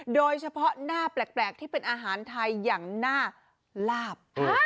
โดยเฉพาะหน้าแปลกที่เป็นอาหารไทยอย่างหน้าลาบ